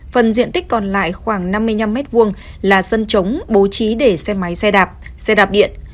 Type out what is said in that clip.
phần diện tích còn lại khoảng năm mươi năm m hai là sân trống bố trí để xe máy xe đạp xe đạp điện